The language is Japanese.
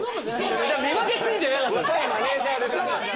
見分けついてなかったんですよ